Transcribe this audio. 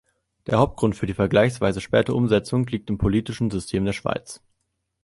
Der Hauptgrund für die vergleichsweise späte Umsetzung liegt im politischen System der Schweiz.